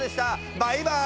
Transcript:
バイバーイ！